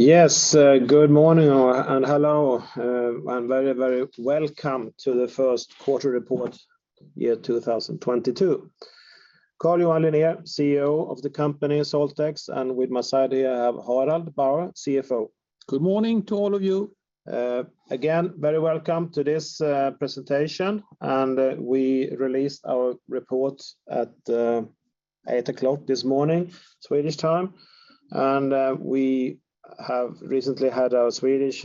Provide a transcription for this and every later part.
Yes, good morning all, and hello, and very, very welcome to the first quarter report 2022. Carl-Johan Linér, CEO of the company SaltX, and with my side here I have Harald Bauer, CFO. Good morning to all of you. Again, very welcome to this presentation. We released our report at 8:00 A.M. this morning Swedish time. We have recently had our Swedish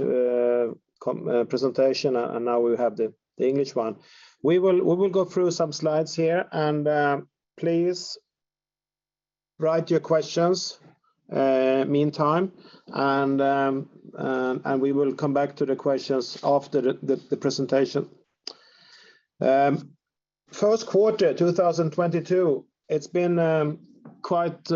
presentation and now we have the English one. We will go through some slides here and please write your questions meantime, and we will come back to the questions after the presentation. First quarter 2022, it's been quite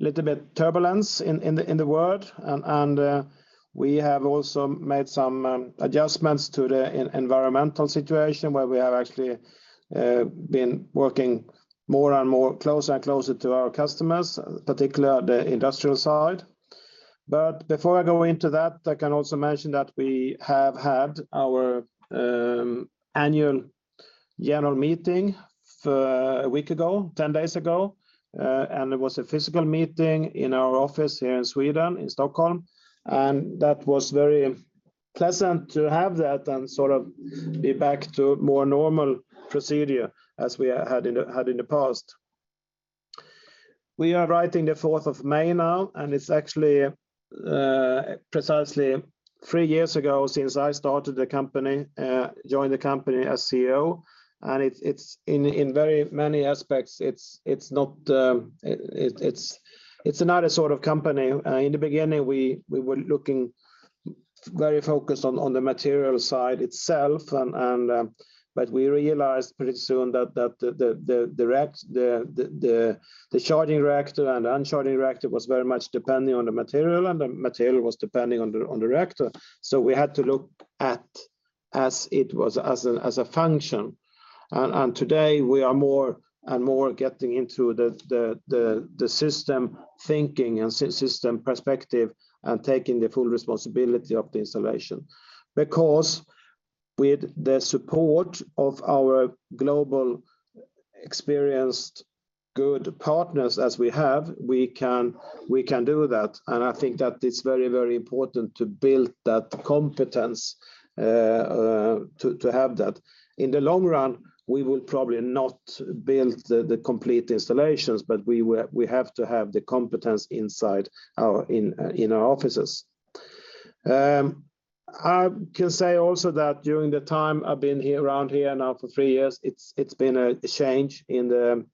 a little bit turbulence in the world and we have also made some adjustments to the environmental situation where we have actually been working more and more closer and closer to our customers, particularly the industrial side. Before I go into that, I can also mention that we have had our annual general meeting a week ago, 10 days ago. It was a physical meeting in our office here in Sweden, in Stockholm. That was very pleasant to have that and sort of be back to more normal procedure as we had in the past. It's the fourth of May now, and it's actually precisely three years ago since I started the company, joined the company as CEO. It's in very many aspects it's not, it's another sort of company. In the beginning, we were looking very focused on the material side itself but we realized pretty soon that the charging reactor and discharging reactor was very much depending on the material, and the material was depending on the reactor. We had to look at as it was as a function. Today we are more and more getting into the system thinking and system perspective and taking the full responsibility of the installation. Because with the support of our global experienced good partners as we have, we can do that. I think that it's very, very important to build that competence to have that. In the long run, we will probably not build the complete installations, but we have to have the competence inside our offices. I can say also that during the time I've been here around here now for three years, it's been a change in the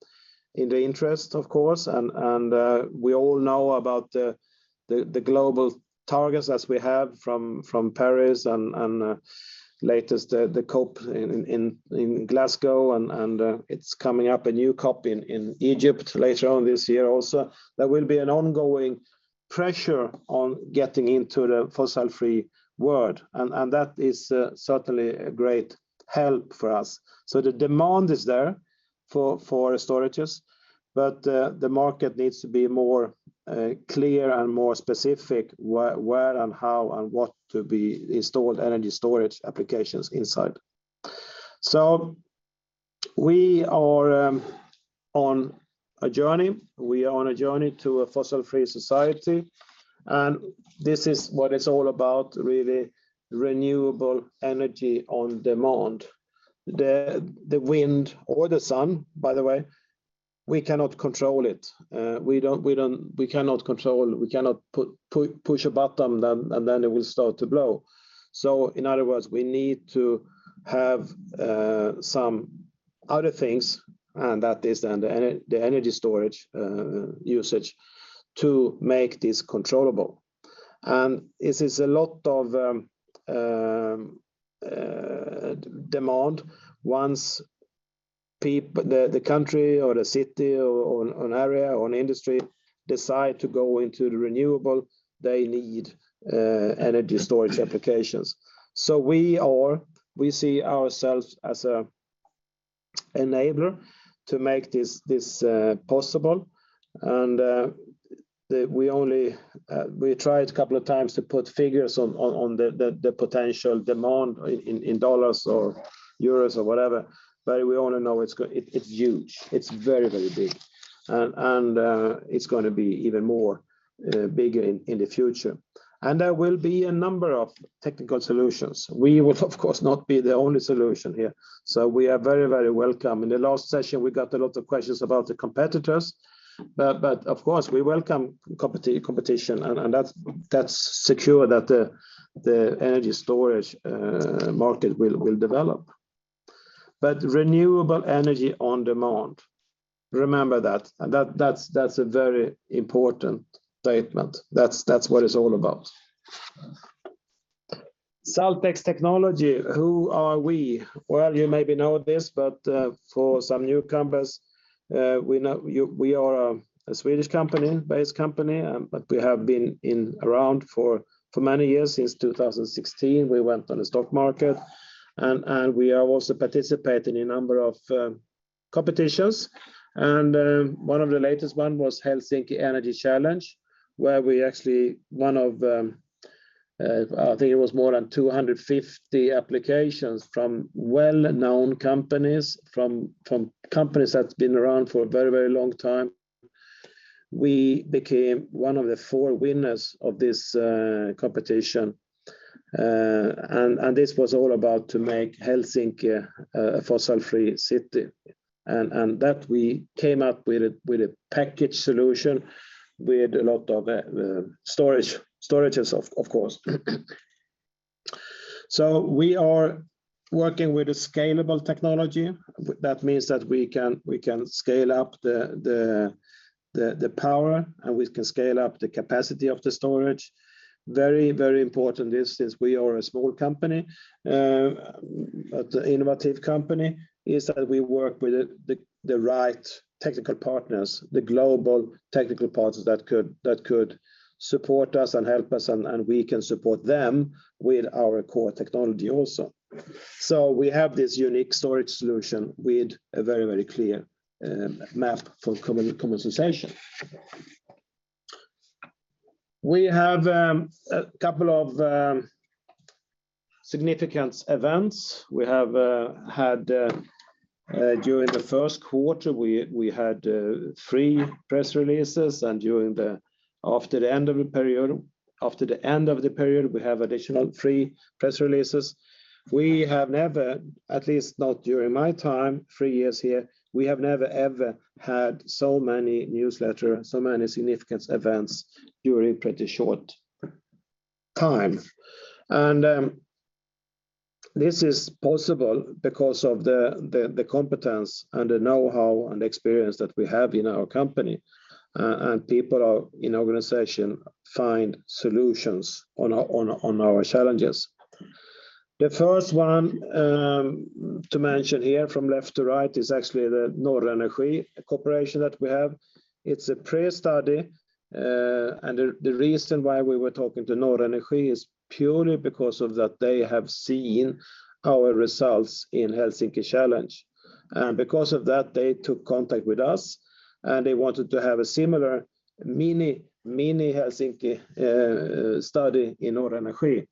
interest of course. We all know about the global targets as we have from Paris and the latest COP in Glasgow, and it's coming up a new COP in Egypt later on this year also. There will be an ongoing pressure on getting into the fossil-free world. That is certainly a great help for us. The demand is there for storages, but the market needs to be more clear and more specific where and how and what to be installed energy storage applications inside. We are on a journey. We are on a journey to a fossil-free society. This is what it's all about, really, renewable energy on demand. The wind or the sun, by the way, we cannot control it. We don't we cannot control, we cannot put push a button and then it will start to blow. In other words, we need to have some other things, and that is then the energy storage usage to make this controllable. It is a lot of demand. The country or the city or an area or an industry decide to go into the renewable, they need energy storage applications. We see ourselves as an enabler to make this possible. We only tried a couple of times to put figures on the potential demand in dollars or euros or whatever, but we only know it's huge. It's very, very big. It's gonna be even more big in the future. There will be a number of technical solutions. We will of course not be the only solution here. We are very, very welcome. In the last session, we got a lot of questions about the competitors. Of course, we welcome competition and that's secure that the energy storage market will develop. Renewable energy on demand, remember that. That's a very important statement. That's what it's all about. SaltX Technology, who are we? Well, you maybe know this, but for some newcomers, we know you, we are a Swedish-based company, but we have been around for many years. Since 2016, we went on the stock market. We are also participating in a number of competitions and one of the latest was Helsinki Energy Challenge where we actually won one of, I think it was more than 250 applications from well-known companies from companies that's been around for a very, very long time. We became one of the four winners of this competition. This was all about to make Helsinki a fossil-free city. That we came up with a package solution with a lot of storages of course. We are working with a scalable technology. That means that we can scale up the power, and we can scale up the capacity of the storage. Very important is since we are a small company, but innovative company, is that we work with the right technical partners, the global technical partners that could support us and help us, and we can support them with our core technology also. We have this unique storage solution with a very clear map for commercialization. We have a couple of significant events. We have had during the first quarter, we had thre press releases, and after the end of the period, we have additional three press releases. We have never, at least not during my time, three years here, ever had so many newsletters, so many significant events during pretty short time. This is possible because of the competence and the know-how and experience that we have in our company, and people in our organization find solutions to our challenges. The first one to mention here from left to right is actually the Norrenergi cooperation that we have. It's a pre-study, and the reason why we were talking to Norrenergi is purely because they have seen our results in Helsinki Challenge. Because of that, they took contact with us, and they wanted to have a similar mini Helsinki study in Norrenergi.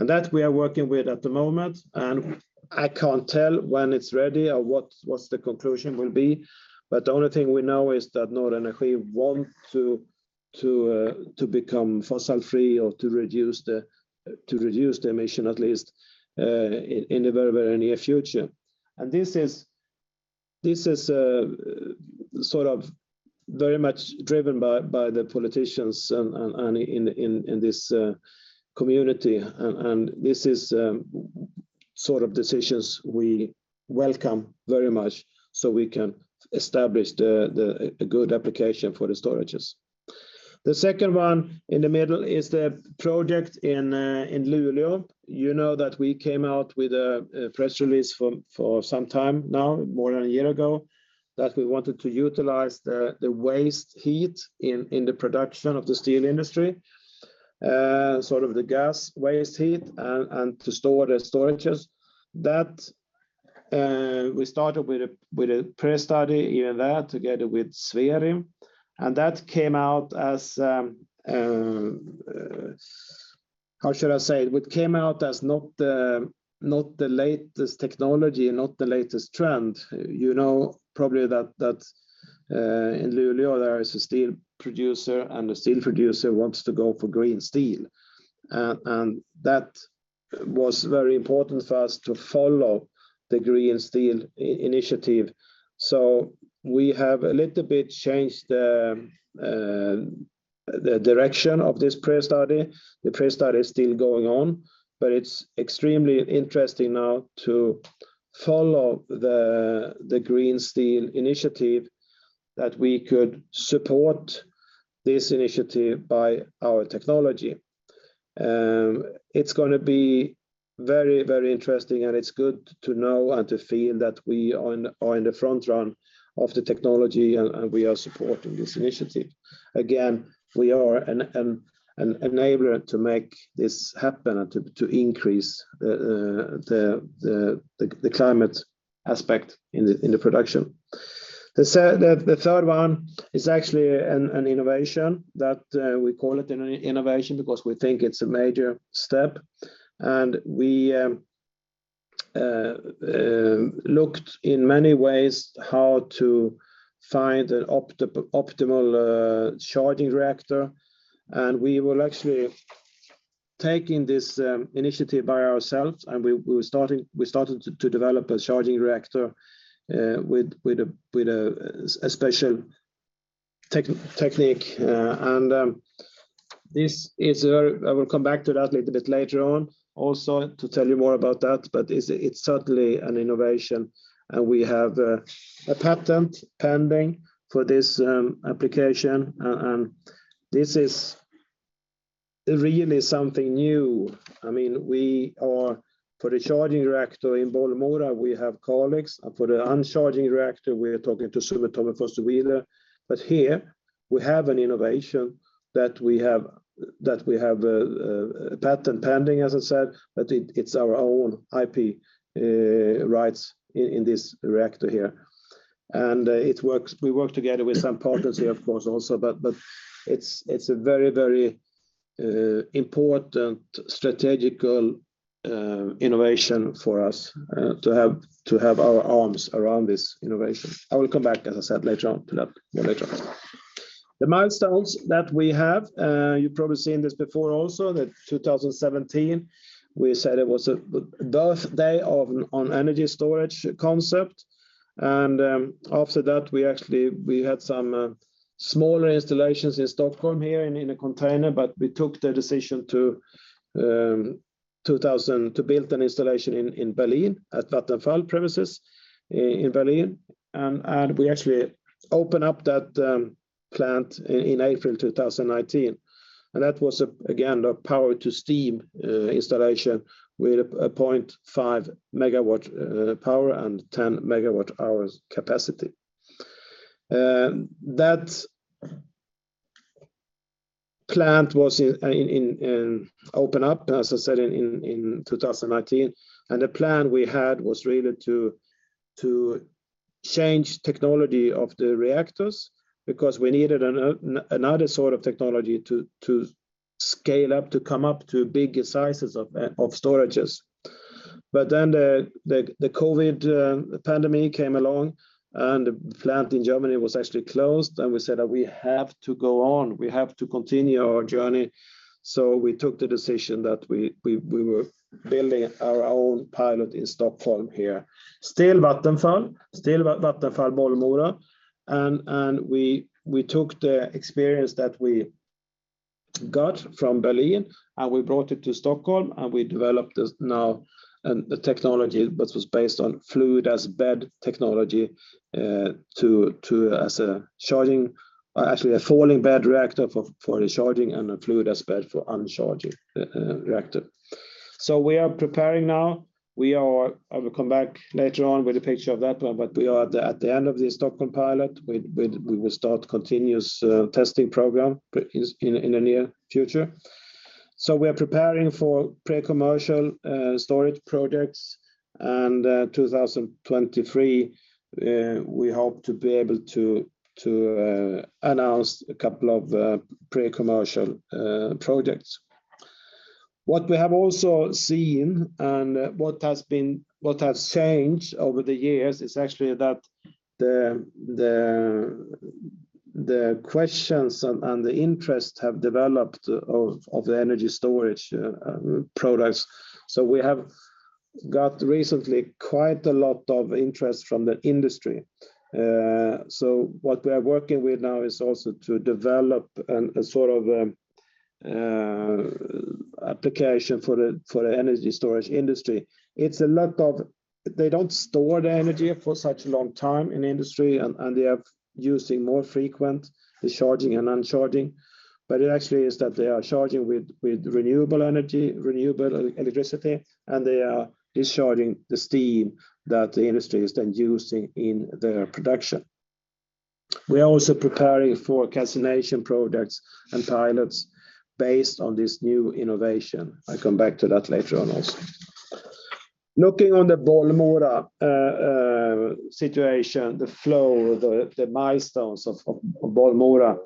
That we are working with at the moment, and I can't tell when it's ready or what the conclusion will be. The only thing we know is that Norrenergi want to become fossil-free or to reduce the emission at least in the very near future. This is sort of very much driven by the politicians and in this community. This is sort of decisions we welcome very much, so we can establish a good application for the storages. The second one in the middle is the project in Luleå. You know that we came out with a press release for some time now, more than a year ago, that we wanted to utilize the waste heat in the production of the steel industry, sort of the gas waste heat and to store the storages. We started with a pre-study even there together with Sverige. That came out as, how should I say? It came out as not the latest technology and not the latest trend. You know probably that in Luleå there is a steel producer, and the steel producer wants to go for green steel. That was very important for us to follow the green steel initiative. We have a little bit changed the direction of this pre-study. The pre-study is still going on, but it's extremely interesting now to follow the green steel initiative that we could support this initiative by our technology. It's gonna be very interesting, and it's good to know and to feel that we are in the front run of the technology and we are supporting this initiative. We are an enabler to make this happen and to increase the climate aspect in the production. The third one is actually an innovation that we call it an innovation because we think it's a major step. We, looked in many ways how to find an optimal charging reactor. We will actually take in this initiative by ourselves, and we started to develop a charging reactor with a special technique. I will come back to that a little bit later on also to tell you more about that. It's certainly an innovation, and we have a patent pending for this application. This is really something new. I mean, we have, for the charging reactor in Bollmora, we have Calix. For the discharging reactor, we are talking to Sundsvall and Forsvik. Here we have an innovation that we have a patent pending, as I said, but it's our own IP rights in this reactor here. It works. We work together with some partners here of course also, but it's a very important strategic innovation for us to have our arms around this innovation. I will come back, as I said, later on to that, later on. The milestones that we have, you've probably seen this before also, that 2017 we said it was the birthday of our energy storage concept. After that we actually had some smaller installations in Stockholm here and in a container, but we took the decision to build an installation in Berlin at Vattenfall premises in Berlin. We actually opened up that plant in April 2019. That was again a Power to Steam installation with a 0.5 MW power and 10 MWh capacity. That plant was opened up, as I said, in 2019, and the plan we had was really to change technology of the reactors because we needed another sort of technology to scale up, to come up to bigger sizes of storages. The COVID pandemic came along and the plant in Germany was actually closed, and we said that we have to go on, we have to continue our journey. We took the decision that we were building our own pilot in Stockholm here. Still Vattenfall, still Vattenfall Bollmora and we took the experience that we got from Berlin and we brought it to Stockholm and we developed this now the technology which was based on fluidized bed technology to as a charging actually a falling bed reactor for the charging and a fluidized bed for discharging reactor. We are preparing now. We are. I will come back later on with a picture of that one, but we are at the end of the Stockholm pilot. We will start continuous testing program in the near future. We are preparing for pre-commercial storage projects and 2023 we hope to be able to announce a couple of pre-commercial projects. What we have also seen and what has changed over the years is actually that the questions and the interest have developed of the energy storage products. We have got recently quite a lot of interest from the industry. What we are working with now is also to develop a sort of application for the energy storage industry. They don't store the energy for such a long time in industry and they are using more frequent discharging and recharging, but it actually is that they are charging with renewable energy, renewable electricity, and they are discharging the steam that the industry is then using in their production. We are also preparing for calcination projects and pilots based on this new innovation. I come back to that later on also. Looking at the Bollmora situation, the milestones of Bollmora,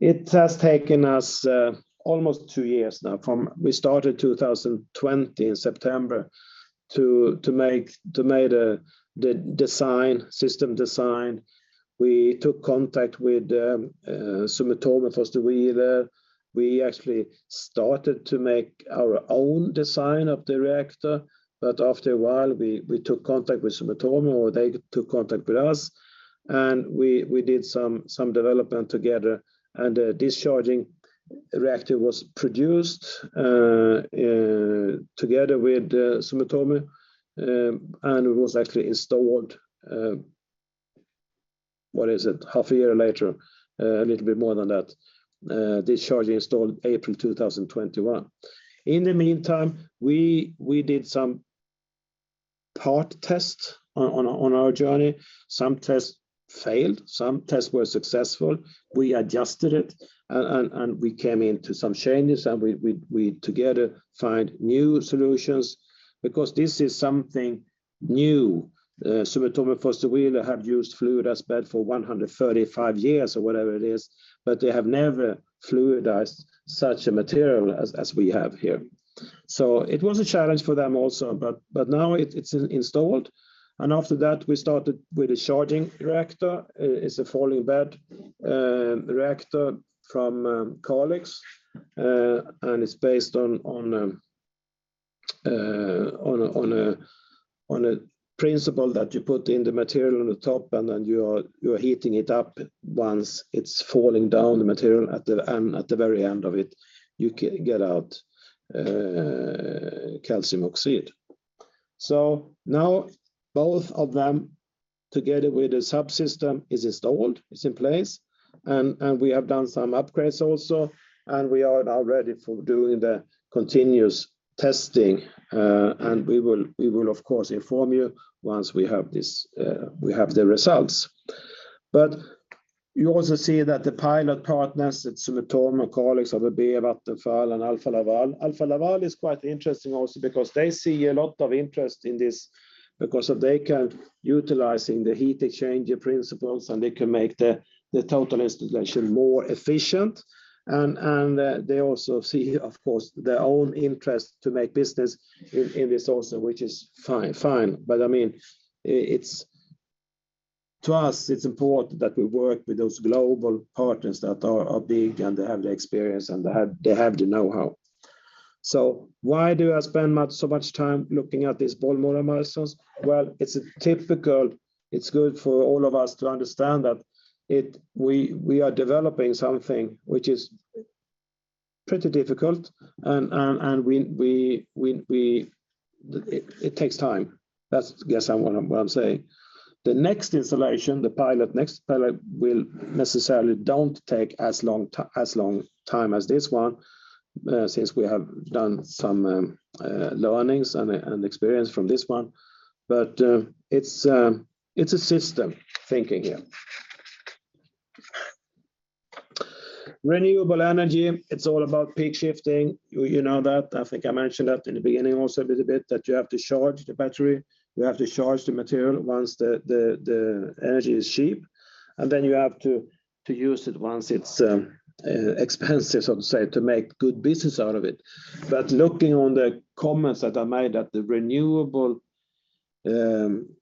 it has taken us almost two years now from we started 2020 in September to make the system design. We took contact with Sumitomo SHI FW. We actually started to make our own design of the reactor, but after a while we took contact with Sumitomo SHI FW or they took contact with us, and we did some development together and a discharging reactor was produced together with Sumitomo SHI FW, and it was actually installed half a year later, a little bit more than that. Discharging installed April 2021. In the meantime, we did some part tests on our journey. Some tests failed, some tests were successful. We adjusted it and we came into some changes and we together find new solutions because this is something new. Sumitomo SHI FW have used fluidized bed for 135 years or whatever it is, but they have never fluidized such a material as we have here. It was a challenge for them also, but now it's installed and after that we started with the charging reactor. It's a falling bed reactor from Calix. And it's based on a principle that you put in the material on the top and then you are heating it up. Once it's falling down, the material at the very end of it, you get out calcium oxide. Now both of them together with the subsystem is installed, it's in place, and we have done some upgrades also, and we are now ready for doing the continuous testing, and we will of course inform you once we have this, we have the results. You also see that the pilot partners at Sumitomo, SSAB, Vattenfall, and Alfa Laval. Alfa Laval is quite interesting also because they see a lot of interest in this because if they can utilizing the heat exchanger principles, and they can make the total installation more efficient. And they also see, of course, their own interest to make business in this also, which is fine. I mean, it's to us, it's important that we work with those global partners that are big and they have the experience and they have the know-how. Why do I spend so much time looking at these Bollmora? Well, it's good for all of us to understand that we are developing something which is pretty difficult and we. It takes time. That's what I'm saying. The next installation, the next pilot will necessarily don't take as long time as this one, since we have done some learnings and experience from this one. It's a system thinking here. Renewable energy, it's all about peak shifting. You know that. I think I mentioned that in the beginning also a little bit, that you have to charge the battery, you have to charge the material once the energy is cheap, and then you have to use it once it's expensive, so to say, to make good business out of it. Looking on the comments that are made at the renewable energy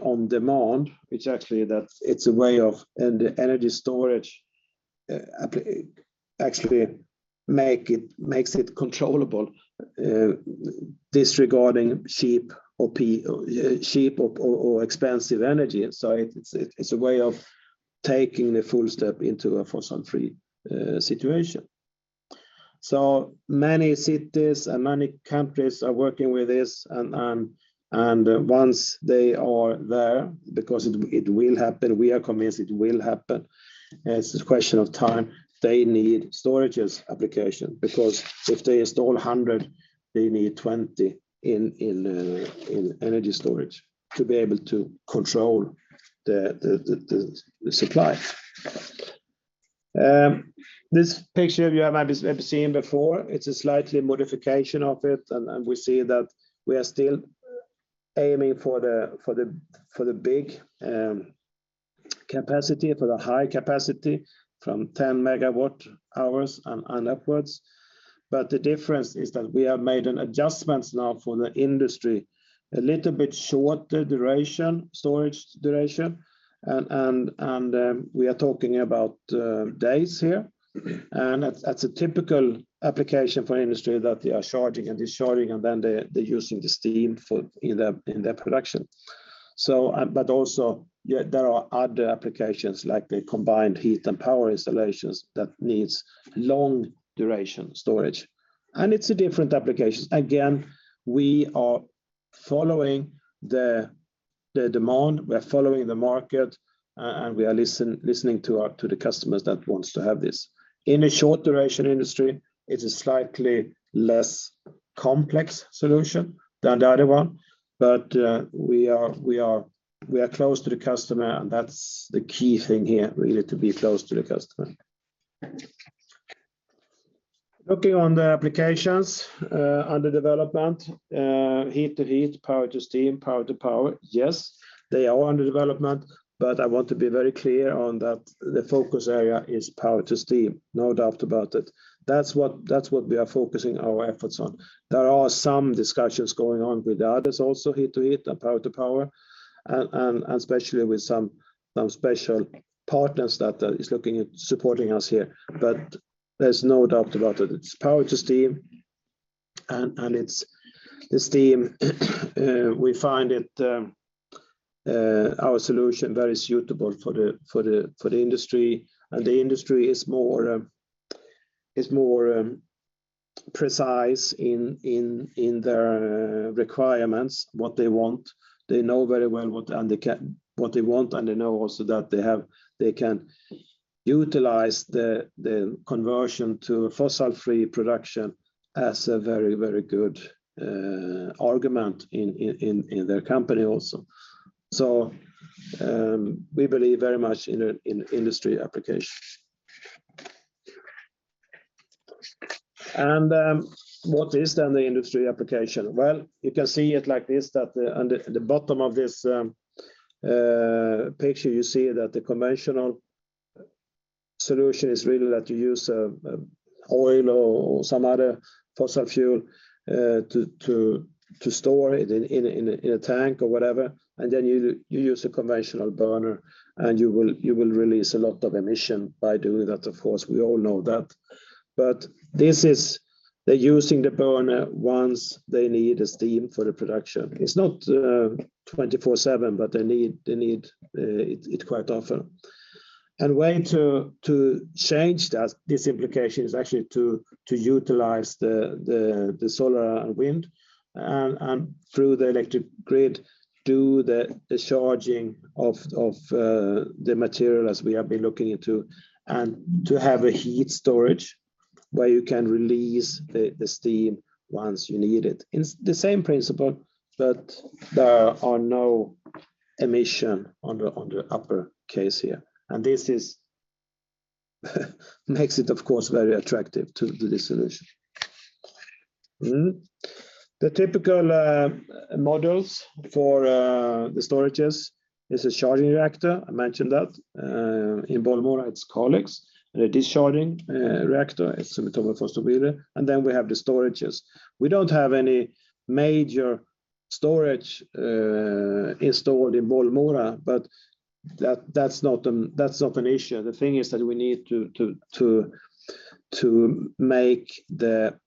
on demand, it's actually that it's a way of, and energy storage makes it controllable, disregarding cheap or expensive energy. It's a way of taking the full step into a fossil-free situation. Many cities and many countries are working with this and once they are there, because it will happen, we are convinced it will happen, it's a question of time, they need storage application. Because if they install 100, they need 20 in energy storage to be able to control the supply. This picture you have maybe seen before. It's a slight modification of it. We see that we are still aiming for the big capacity, the high capacity from 10 MWh and upwards. But the difference is that we have made an adjustments now for the industry a little bit shorter duration, storage duration, and we are talking about days here. That's a typical application for industry that they are charging and discharging, and then they're using the steam for in their production. But also there are other applications like the combined heat and power installations that needs long duration storage. It's a different application. Again, we are following the demand, we are following the market, and we are listening to our customers that wants to have this. In a short duration industry, it's a slightly less complex solution than the other one. We are close to the customer, and that's the key thing here, really, to be close to the customer. Looking on the applications under development, heat to heat, power to steam, power to power. Yes, they are under development, but I want to be very clear on that the focus area is power to steam, no doubt about it. That's what we are focusing our efforts on. There are some discussions going on with the others also, heat to heat and power to power, and especially with some special partners that is looking at supporting us here. There's no doubt about it. It's Power to Steam and it's the steam we find our solution very suitable for the industry. The industry is more precise in their requirements what they want. They know very well what they want and they know also that they can utilize the conversion to fossil-free production as a very good argument in their company also. We believe very much in an industry application. What is then the industry application? Well, you can see it like this, that under the bottom of this picture you see that the conventional solution is really that you use oil or some other fossil fuel to store it in a tank or whatever. Then you use a conventional burner and you will release a lot of emission by doing that, of course. We all know that. This is, they're using the burner once they need a steam for the production. It's not 24/7, but they need it quite often. A way to change that, this implication, is actually to utilize the solar and wind and through the electric grid, do the charging of the material as we have been looking into, and to have a heat storage where you can release the steam once you need it. It's the same principle that there are no emission on the upper case here. This makes it, of course, very attractive to this solution. The typical models for the storages is a charging reactor. I mentioned that. In Bollmora it's Calix. A discharging reactor is Sumitomo SHI FW. We have the storages. We don't have any major storage installed in Bollmora, but that's not an issue. The thing is that we need to make the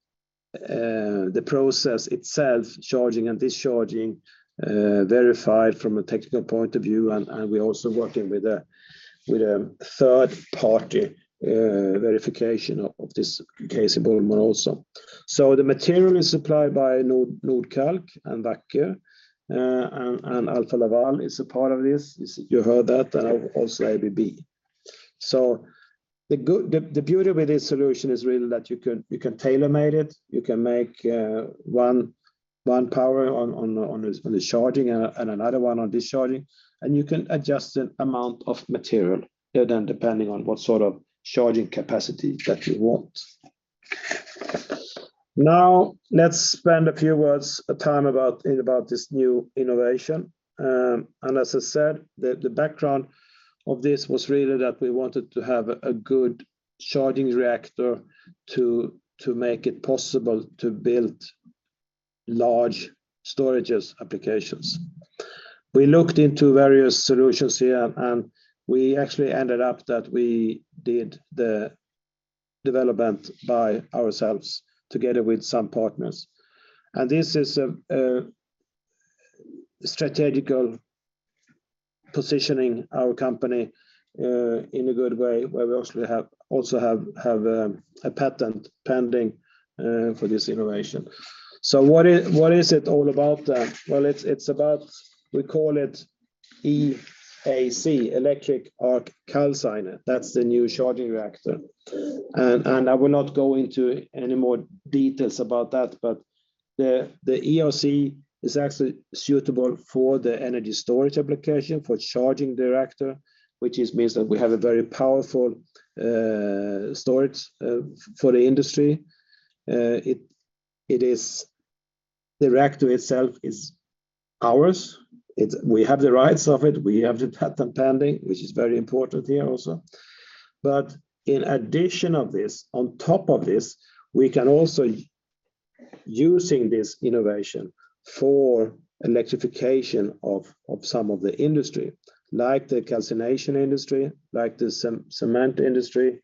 process itself, charging and discharging, verified from a technical point of view and we're also working with a third party verification of this case in Bollmora also. The material is supplied by Nordkalk and Wacker. Alfa Laval is a part of this. This is, you heard that and also ABB. The beauty with this solution is really that you can tailor-made it. You can make one power on the charging and another one on discharging. You can adjust the amount of material there then depending on what sort of charging capacity that you want. Now, let's spend a few words about this new innovation. As I said, the background of this was really that we wanted to have a good charging reactor to make it possible to build large storage applications. We looked into various solutions here and we actually ended up doing the development by ourselves together with some partners. This is a strategic positioning for our company in a good way where we also have a patent pending for this innovation. What is it all about then? Well, it's about, we call it EAC, Electric Arc Calciner. That's the new charging reactor. I will not go into any more details about that, but the EAC is actually suitable for the energy storage application, for charging the reactor, which means that we have a very powerful storage for the industry. The reactor itself is ours. We have the rights of it. We have the patent pending which is very important here also. But in addition of this, on top of this, we can also using this innovation for electrification of some of the industry, like the calcination industry, like the cement industry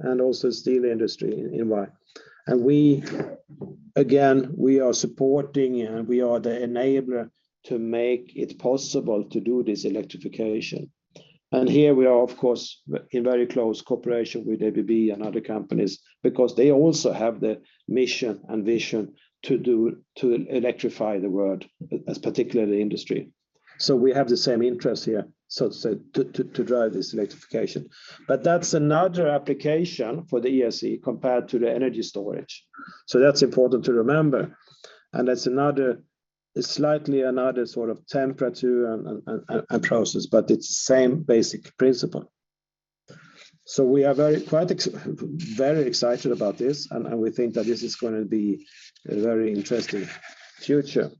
and also steel industry in mind. We are supporting and we are the enabler to make it possible to do this electrification. Here we are of course in very close cooperation with ABB and other companies because they also have the mission and vision to do to electrify the world especially the industry. We have the same interest here, so to drive this electrification. That's another application for the EAC compared to the energy storage. That's important to remember. That's another, slightly another sort of temperature and process, but it's same basic principle. We are very excited about this and we think that this is gonna be a very interesting future.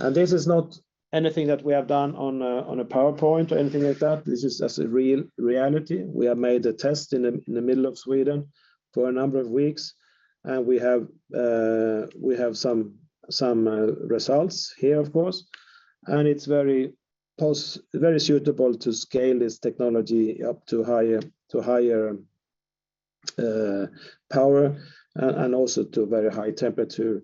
This is not anything that we have done on a PowerPoint or anything like that. This is just a real reality. We have made a test in the middle of Sweden for a number of weeks. We have some results here of course, and it's very suitable to scale this technology up to higher power and also to very high temperature.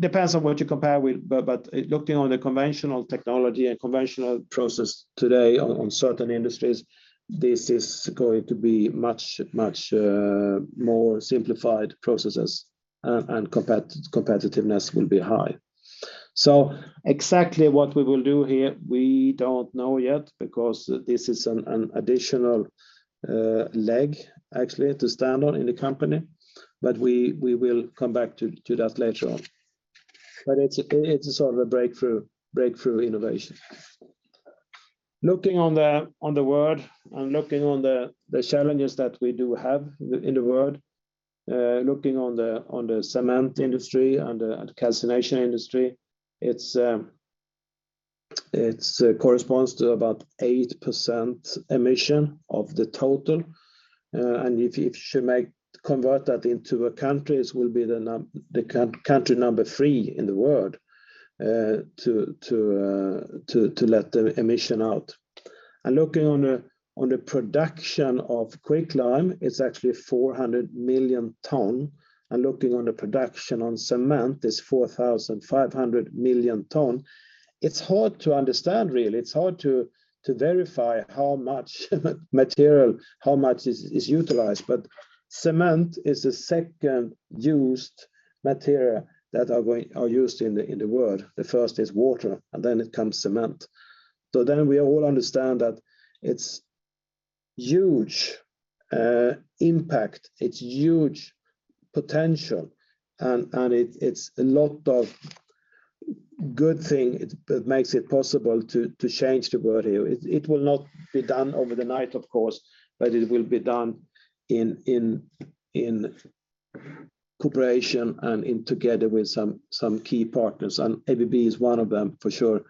Depends on what you compare with, but looking at the conventional technology and conventional process today in certain industries, this is going to be much more simplified processes and competitiveness will be high. Exactly what we will do here, we don't know yet because this is an additional leg actually to stand on in the company. We will come back to that later on. It's a sort of a breakthrough innovation. Looking on the world and looking on the challenges that we have in the world, looking on the cement industry and the calcination industry, it corresponds to about 8% emission of the total. If you convert that into a country, it will be the country number three in the world to let the emission out. Looking on the production of quicklime, it's actually 400 million tons. Looking on the production of cement is 4,500 million tons. It's hard to understand really, it's hard to verify how much material, how much is utilized. But cement is the second used material that are going, are used in the world. The first is water, and then it comes cement. We all understand that it's huge impact. It's huge potential. It's a lot of good thing that makes it possible to change the world here. It will not be done overnight of course, but it will be done in cooperation and together with some key partners, and ABB is one of them for sure.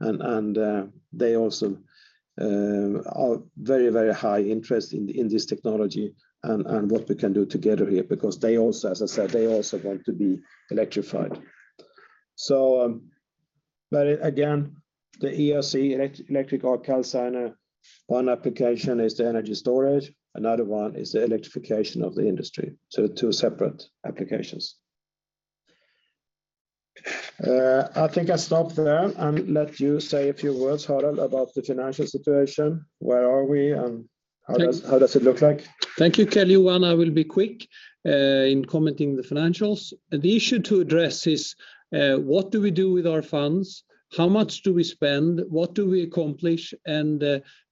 They also have very high interest in this technology and what we can do together here because they also, as I said, want to be electrified. The EAC Electric Arc Calciner, one application is the energy storage, another one is the electrification of the industry. Two separate applications. I think I stop there and let you say a few words, Harald, about the financial situation. Where are we and how does it look like? Thank you, Carl-Johan. I will be quick in commenting the financials. The issue to address is what do we do with our funds? How much do we spend? What do we accomplish? And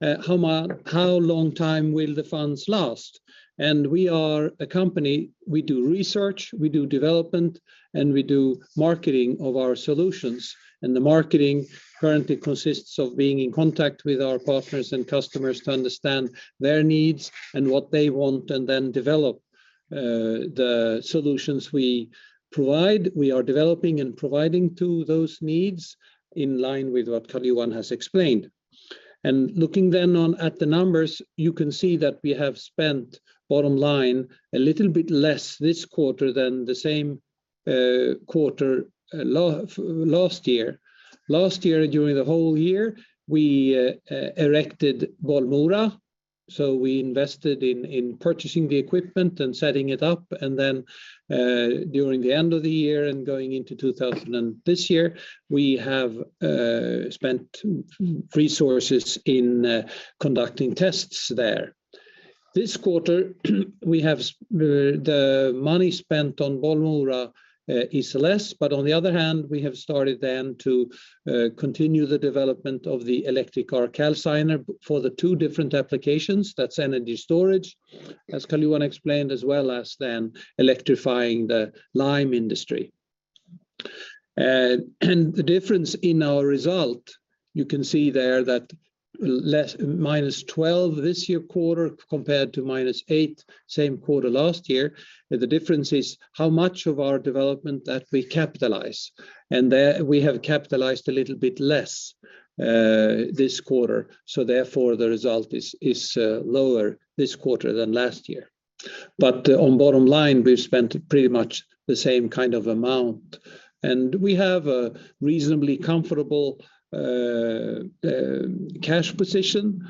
how long time will the funds last? We are a company, we do research, we do development, and we do marketing of our solutions. The marketing currently consists of being in contact with our partners and customers to understand their needs and what they want and then develop the solutions we provide. We are developing and providing to those needs in line with what Carl-Johan has explained. Looking then at the numbers, you can see that we have spent bottom line a little bit less this quarter than the same quarter last year. Last year during the whole year, we erected Bollmora, so we invested in purchasing the equipment and setting it up and then during the end of the year and going into 2020 and this year, we have spent resources in conducting tests there. This quarter, the money spent on Bollmora is less, but on the other hand, we have started then to continue the development of the Electric Arc Calciner for the two different applications. That's energy storage, as Carl-Johan explained, as well as then electrifying the lime industry. The difference in our result, you can see there that less, -12 this year quarter compared to -8 same quarter last year. The difference is how much of our development that we capitalize, and there we have capitalized a little bit less this quarter, so therefore the result is lower this quarter than last year. On bottom line, we've spent pretty much the same kind of amount. We have a reasonably comfortable cash position.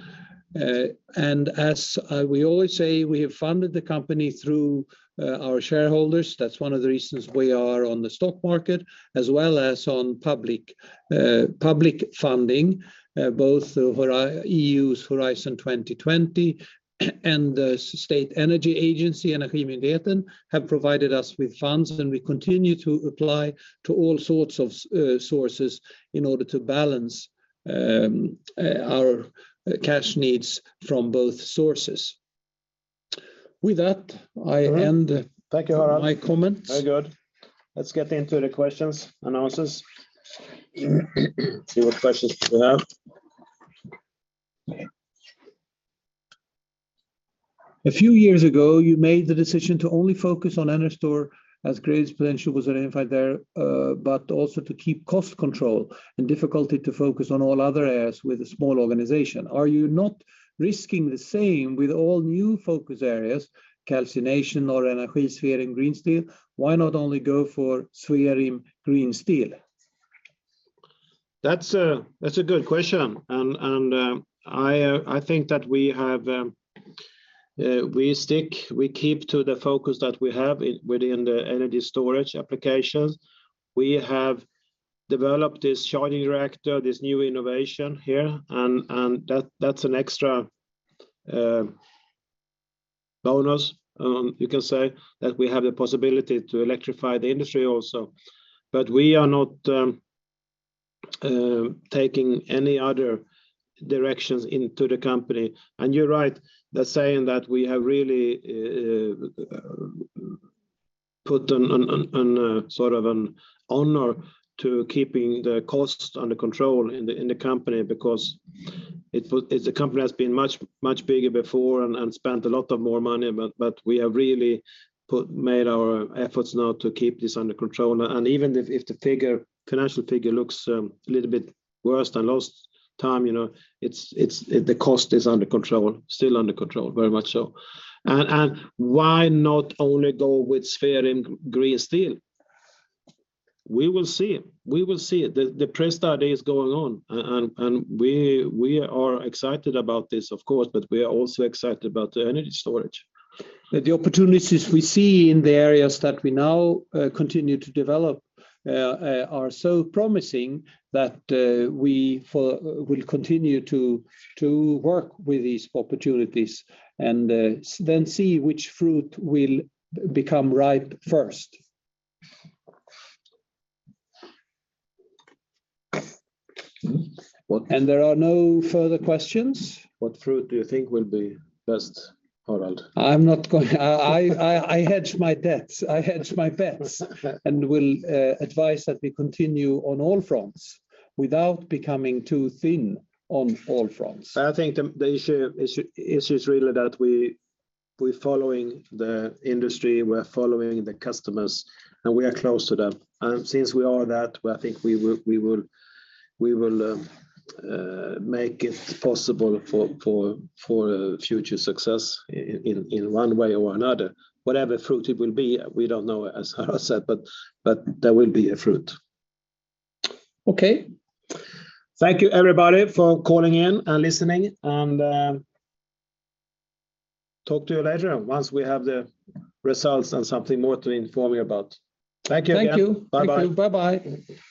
We always say we have funded the company through our shareholders. That's one of the reasons we are on the stock market as well as on public funding, both over EU's Horizon 2020 and the Swedish Energy Agency, Energimyndigheten, have provided us with funds, and we continue to apply to all sorts of sources in order to balance our cash needs from both sources. With that, I end. Thank you, Harald. My comments. Very good. Let's get into the questions, analysis. See what questions we have. A few years ago, you made the decision to only focus on EnerStore as greatest potential was identified there, but also to keep cost control and difficulty to focus on all other areas with a small organization. Are you not risking the same with all new focus areas, calcination or Energysphering Green Steel? Why not only go for sphering green steel? That's a good question. I think that we keep to the focus that we have within the energy storage applications. We have developed this Energysphering reactor, this new innovation here, and that's an extra bonus, you can say that we have the possibility to electrify the industry also. But we are not taking any other directions into the company. You're right in saying that we have really put sort of an emphasis on keeping the costs under control in the company because the company has been much bigger before and spent a lot more money, but we have really made our efforts now to keep this under control. Even if the financial figure looks a little bit worse than last time, you know, the cost is under control, still under control, very much so. Why not only go with Energysphering Green Steel? We will see. The pre-study is going on and we are excited about this of course, but we are also excited about the energy storage. The opportunities we see in the areas that we now continue to develop are so promising that we will continue to work with these opportunities and then see which fruit will become ripe first. Well- There are no further questions. What fruit do you think will be best, Harald? I hedge my bets. Will advise that we continue on all fronts without becoming too thin on all fronts. I think the issue is really that we're following the industry, we're following the customers, and we are close to them. Since we are that, I think we will make it possible for future success in one way or another. Whatever fruit it will be, we don't know, as Harald said, but there will be a fruit. Okay. Thank you everybody for calling in and listening, and talk to you later once we have the results and something more to inform you about. Thank you again. Thank you. Bye-bye. Thank you. Bye-bye.